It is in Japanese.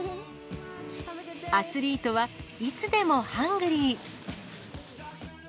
アスリートはいつでもハングリー。